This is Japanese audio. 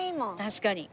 確かに。